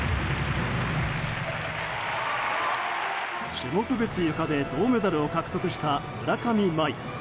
種目別ゆかで銅メダルを獲得した村上茉愛。